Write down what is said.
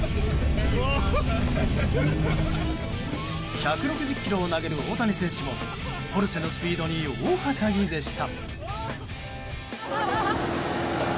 １６０キロを投げる大谷選手もポルシェのスピードに大はしゃぎでした。